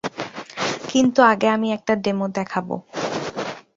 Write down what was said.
কিন্তু আগে আমি একটা ডেমো দেখাবো।